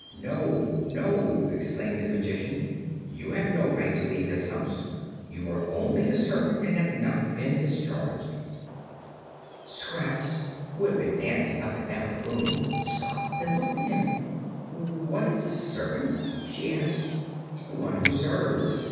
"No, no!" exclaimed the Magician. "You have no right to leave this house. You are only a servant and have not been discharged." Scraps, who had been dancing up and down the room, stopped and looked at him. "What is a servant?" she asked. "One who serves.